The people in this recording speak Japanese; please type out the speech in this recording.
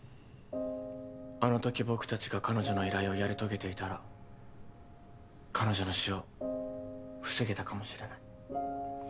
あのとき僕たちが彼女の依頼をやり遂げていたら彼女の死を防げたかもしれない。